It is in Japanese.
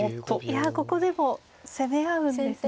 いやここでも攻め合うんですね。